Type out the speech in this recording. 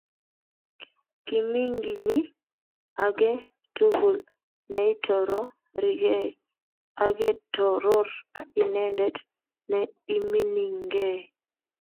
Kimingini aketugul neitororigei , aketoror inendet ne iminingei